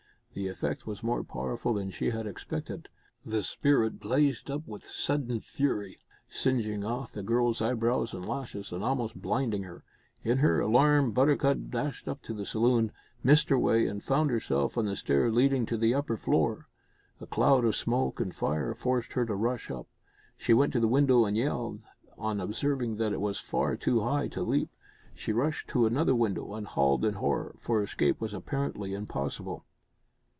The effect was more powerful than she had expected. The spirit blazed up with sudden fury, singeing off the girl's eyebrows and lashes, and almost blinding her. In her alarm Buttercup dashed up to the saloon, missed her way, and found herself on the stair leading to the upper floor. A cloud of smoke and fire forced her to rush up. She went to the window and yelled, on observing that it was far too high to leap. She rushed to another window and howled in horror, for escape was apparently impossible.